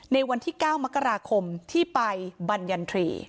ในวันที่๙มกราคมที่ไปบรรยันทรี